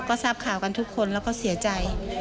ก็ทราบข่าวกันทุกคนแล้วก็เสียใจ